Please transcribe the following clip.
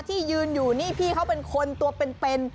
ที่ยืนอยู่นี่พี่เขาเป็นคนตัวเป็น